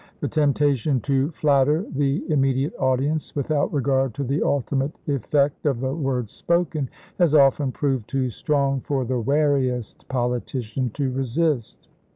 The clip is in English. The temptation to flatter the immediate audience, without regard to the ultimate effect of the words spoken, has often proved too strong for the wariest politician to resist.